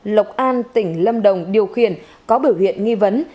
lộc an tỉnh lâm đồng điều khiển có biểu hiện nghi vấn